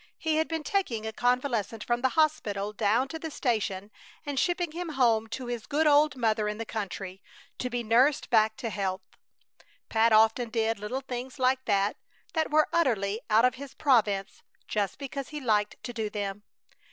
He had been taking a convalescent from the hospital down to the station and shipping him home to his good old mother in the country, to be nursed back to health. Pat often did little things like that that were utterly out of his province, just because he liked to do them.